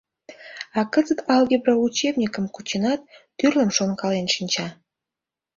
А кызыт алгебра учебникым кученат, тӱрлым шонкален шинча.